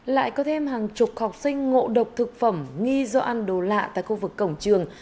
lại có thêm hàng chục học sinh ngộ độc thực phẩm nghi do ăn đồ lạ tại khu vực cổng trường